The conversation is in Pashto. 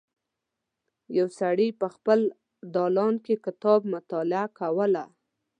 یو سړی په خپل دالان کې کتاب مطالعه کوله.